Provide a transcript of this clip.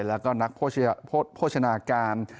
แล้วก็นักโภชนาการ